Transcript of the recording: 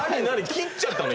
切っちゃったの？